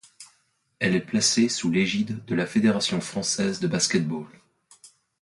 Elle est placée sous l'égide de la Fédération française de basket-ball.